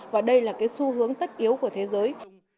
và đây là cái xu hướng tất yếu của thế giới